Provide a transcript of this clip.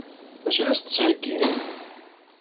D acu i la s-d-tettheggimt?